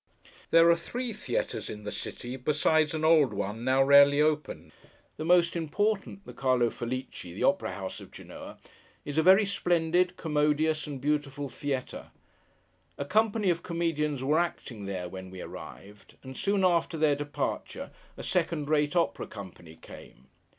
There are three theatres in the city, besides an old one now rarely opened. The most important—the Carlo Felice: the opera house of Genoa—is a very splendid, commodious, and beautiful theatre. A company of comedians were acting there, when we arrived: and soon after their departure, a second rate opera company came.